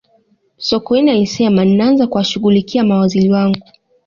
sokoine alisema ninaanza kuwashughulikia mawaziri wangu